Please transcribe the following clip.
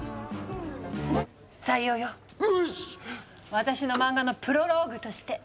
私の漫画のプロローグとして。